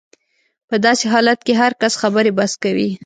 په داسې حالت کې هر کس خبرې بس کوي.